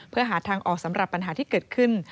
เพื่อหาทางออกสำหรับปัญหาที่เกิดขึ้น